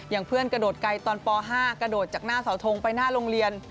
เพื่อนกระโดดไกลตอนป๕กระโดดจากหน้าเสาทงไปหน้าโรงเรียน